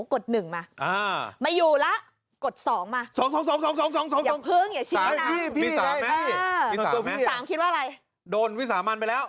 กด๑มาไม่อยู่ละกด๒มา